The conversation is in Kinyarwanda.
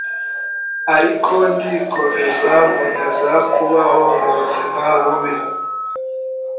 ariko ndikomeza nkomeza kubaho mu buzima bubi